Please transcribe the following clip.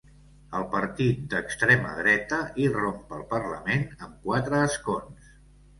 El partit d’extrema dreta irromp al parlament amb quatre escons.